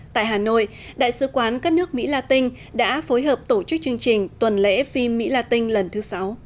tại hà nội đại sứ quán các nước mỹ la tinh đã phối hợp tổ chức chương trình tuần lễ phim mỹ la tinh lần thứ sáu